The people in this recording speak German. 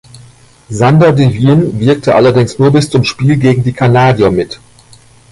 Sander de Wijn wirkte allerdings nur bis zum Spiel gegen die Kanadier mit.